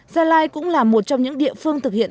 gia lai cũng là một trong những địa phương thực hiện